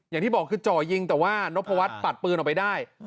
อย่างที่บอกคือจ่อยิงแต่ว่านพวัฒน์ปัดปืนออกไปได้